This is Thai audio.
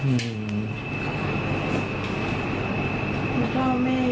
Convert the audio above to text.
อันดับที่สุดท้าย